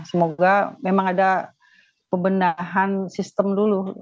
semoga memang ada pembendahan sistem dulu